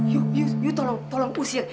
yu yu yu tolong tolong usir